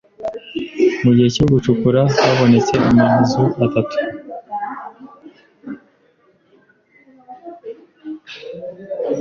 Mu gihe cyo gucukura habonetse amazu atatu